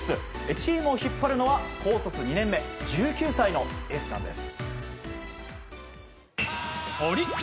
チームを引っ張るのは高卒２年目１９歳のエースなんです。